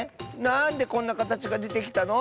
なんでこんなかたちがでてきたの？